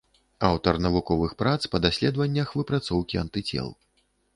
Аўтар навуковых прац па даследаваннях выпрацоўкі антыцел.